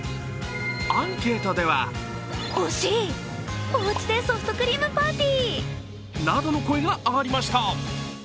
アンケートではなどの声が上がりました。